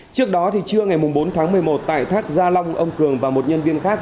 trước đó trưa ngày bốn tháng một mươi một tại thác gia long ông cường và một nhân viên khác